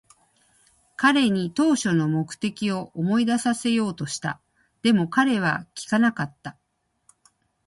彼に当初の目的を思い出させようとした。でも、彼は聞かなかった。